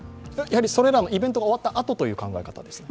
それらのイベントが終わった後という考え方ですか？